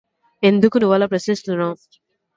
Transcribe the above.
ఎందుకు నువ్వు అలా ప్రవర్తిస్తున్నావు?